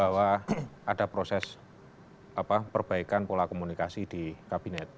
bahwa ada proses perbaikan pola komunikasi di kabinet